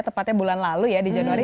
tepatnya bulan lalu ya di januari